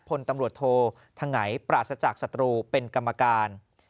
พลตำรวจโถทำไหนปราศจักรสตรูเป็นกรรมการ